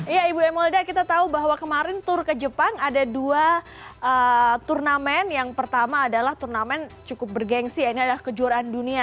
iya ibu emolda kita tahu bahwa kemarin tour ke jepang ada dua turnamen yang pertama adalah turnamen cukup bergensi ya ini adalah kejuaraan dunia